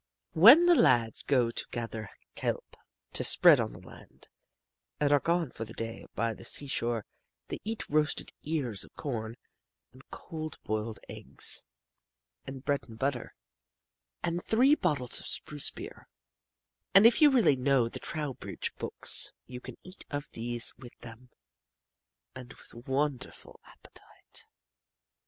When the lads go to gather kelp to spread on the land, and are gone for the day by the seashore, they eat roasted ears of corn, and cold boiled eggs, and bread and butter, and three bottles of spruce beer and if you really know the Trowbridge books you can eat of these with them, and with a wonderful appetite.